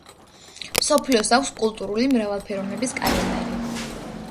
მსოფლიოს აქვს კულტურული მრავალფეროვნების კალენდარი